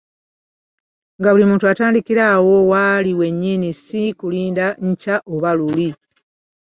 Nga buli muntu atandikira awo wali wennyini si kulinda nkya oba luli.